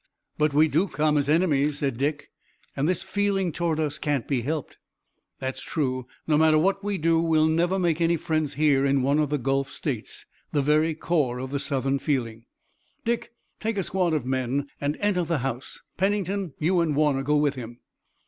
"But we do come as enemies," said Dick, "and this feeling toward us can't be helped." "That's true. No matter what we do we'll never make any friends here in one of the Gulf states, the very core of Southern feeling. Dick, take a squad of men and enter the house. Pennington, you and Warner go with him."